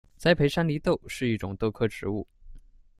栽培山黧豆是一种豆科植物。